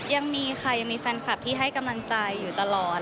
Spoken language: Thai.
ยังมีค่ะยังมีแฟนคลับที่ให้กำลังใจอยู่ตลอด